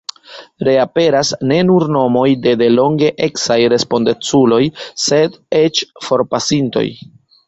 Reaperas ne nur nomoj de delonge eksaj respondeculoj, sed eĉ forpasintoj.